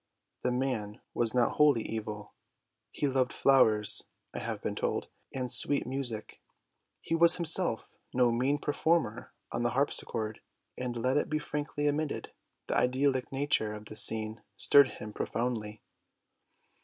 The man was not wholly evil; he loved flowers (I have been told) and sweet music (he was himself no mean performer on the harpsichord); and, let it be frankly admitted, the idyllic nature of the scene stirred him profoundly.